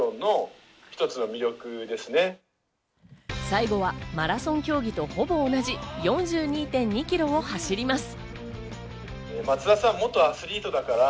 最後はマラソン競技とほぼ同じ、４２．２キロを走ります。